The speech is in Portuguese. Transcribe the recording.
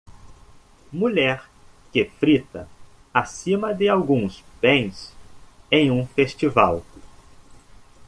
Mulher que frita acima de alguns bens em um festival.